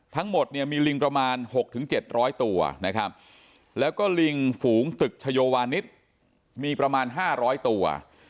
ทั้งหมดมีลิงประมาณ๖๐๐๗๐๐ตัวแล้วก็ลิงฝูงตึกชโยวานิสมีประมาณ๕๐๐ตัว